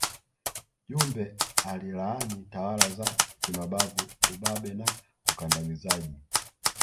Jumbe alilaani tawala za kimabavu ubabe na ukandamizaji